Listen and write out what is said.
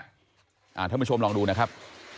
ท่านผู้ชมลองดูนะครับ